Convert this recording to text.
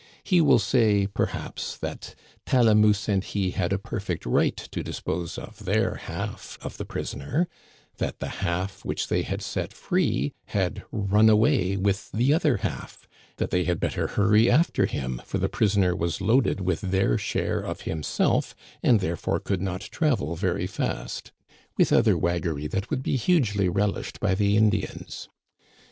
He will say, perhaps, that Talamousse and he had a perfect right to dispose of their half of the prisoner ; that the half which they had set free had run away with the other half; that they had better hurry after him, for the prisoner was loaded with their share of himself and therefore could not travel very fast ; with other waggery that would be hugely relished by the Indians.